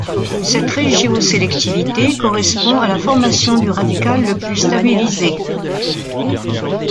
Cette régiosélectivité correspond à la formation du radical le plus stabilisé.